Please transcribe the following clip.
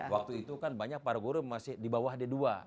waktu itu kan banyak para guru masih di bawah d dua